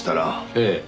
ええ。